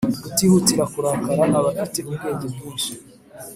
utihutira kurakara aba afite ubwenge bwinshi,